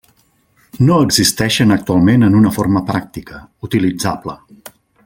No existeixen actualment en una forma pràctica, utilitzable.